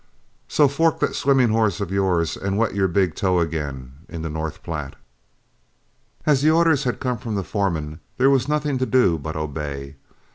So fork that swimming horse of yours and wet your big toe again in the North Platte." As the orders had come from the foreman, there was nothing to do but obey.